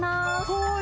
はい。